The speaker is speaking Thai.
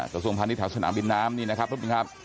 กระทรวงพาณิชยแถวสนามบินน้ำนี่นะครับท่านผู้ชมครับ